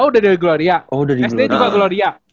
oh udah di gloria sd juga gloria